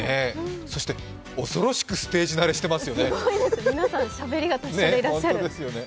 そして恐ろしくステージ慣れしていますよね。